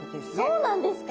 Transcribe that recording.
そうなんですか？